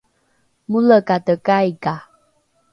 molekatekai ka